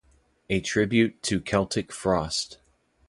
A Tribute to Celtic Frost.